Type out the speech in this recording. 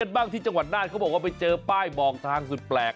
บ้างที่จังหวัดน่านเขาบอกว่าไปเจอป้ายบอกทางสุดแปลก